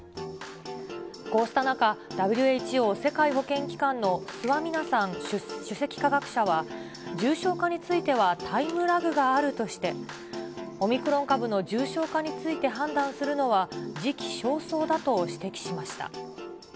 こうした中、ＷＨＯ・世界保健機関のスワミナサン首席科学者は重症化についてはタイムラグがあるとして、オミクロン株の重症化について判断するのは時期尚早だと指摘しました。